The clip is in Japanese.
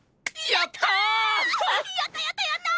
やったやったやった！